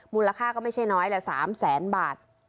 มูลค่าก็ไม่ใช่น้อยอะ๓๐๐๐๐๐บาท